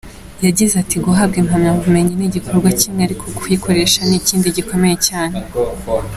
Yagize ati “Guhabwa impamyabumenyi n’igikorwa kimwe ariko kuyikoresha ni ikindi gikomeye cyane.